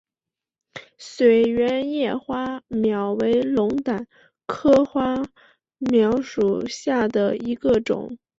椭圆叶花锚为龙胆科花锚属下的一个种。